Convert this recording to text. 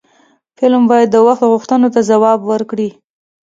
فلم باید د وخت غوښتنو ته ځواب ورکړي